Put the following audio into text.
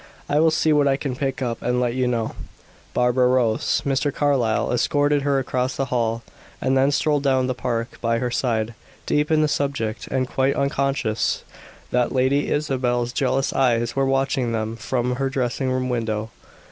I will see what I can pick up and let you know." Barbara rose. Mr. Carlyle escorted her across the hall, and then strolled down the park by her side, deep in the subject, and quite unconscious that Lady Isabel's jealous eyes were watching them from her dressing room window.